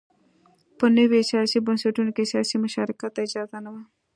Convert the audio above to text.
په نویو سیاسي بنسټونو کې سیاسي مشارکت ته اجازه نه وه.